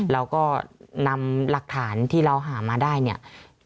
เราก็นำหลักฐานที่เราหามาได้เนี่ย